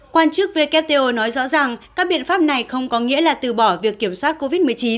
quan chức wto nói rõ rằng các biện pháp này không có nghĩa là từ bỏ việc kiểm soát covid một mươi chín